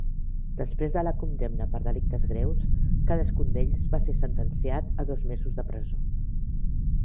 Després de la condemna per delictes greus, cadascun d'ells va ser sentenciat a dos mesos de presó.